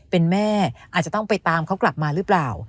เป็นแม่อาจจะต้องไปตามเขากลับมาหรือเปล่า